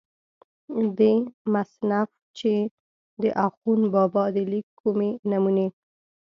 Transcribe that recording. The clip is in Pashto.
دې مصنف چې دَاخون بابا دَليک کومې نمونې